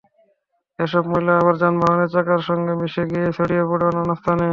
এসব ময়লা আবার যানবাহনের চাকার সঙ্গে মিশে গিয়ে ছড়িয়ে পড়ে অন্যান্য স্থানে।